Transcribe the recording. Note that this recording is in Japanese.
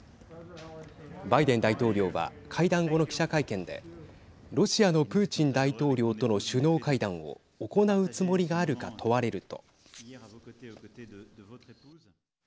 バイデン大統領は会談後の記者会見でロシアのプーチン大統領との首脳会談を行うつもりがあるか問われると。